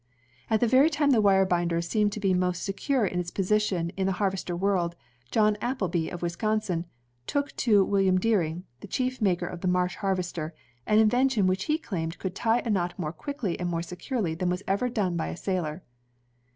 At the very time the wire binder seemed to be most secure in its position in the harvester world, John Appleby, of Wisconsin, took to William Deering, the chief maker of the Marsh harvester, an invention which he claimed could tie a knot more quickly and more securely than was ever done by sailor.